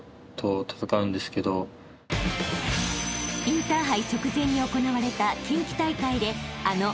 ［インターハイ直前に行われた近畿大会であの